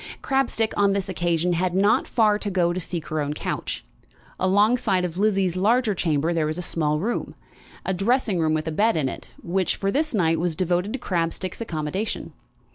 Crabstick, on this occasion, had not far to go to seek her own couch. Alongside of Lizzie's larger chamber there was a small room, a dressing room with a bed in it, which, for this night, was devoted to Crabstick's accommodation.